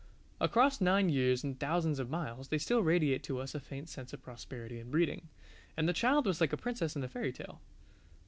Across nine years and thousands of miles they still radiate to us a faint sense of prosperity and breeding; and the child was like a princess in a fairy tale.